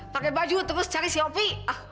pakai baju terus cari si yofi